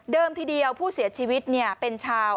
ทีเดียวผู้เสียชีวิตเป็นชาว